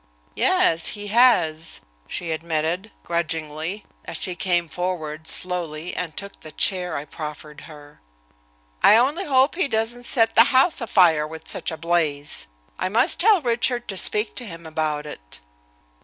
"Yes, he has," she admitted, grudgingly, as she came forward slowly and took the chair I proffered her. "I only hope he doesn't set the house afire with such a blaze. I must tell Richard to speak to him about it."